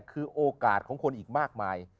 คือโอกาสของคนอีกมากมาย